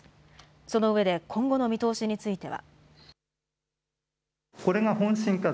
その上で、今後の見通しについては。